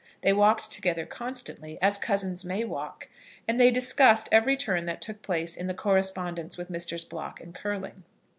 They walked together constantly, as cousins may walk, and they discussed every turn that took place in the correspondence with Messrs. Block and Curling.